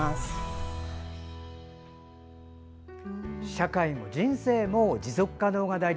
社会も人生も持続可能が大事。